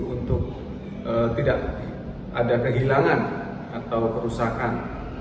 untuk tidak ada kehilangan atau kerusakan